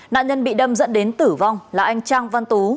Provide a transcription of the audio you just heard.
nạn nhân bị đâm dẫn đến tử vong là anh trang văn tú